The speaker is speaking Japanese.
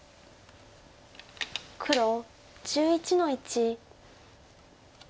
黒１１の一。